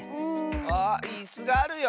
あっいすがあるよ！